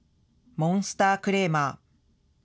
モンスタークレーマー。